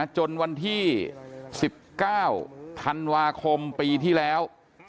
จนวันที่๑๙ธันวาคมปีที่แล้ว